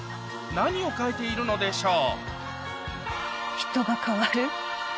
何を変えているのでしょう？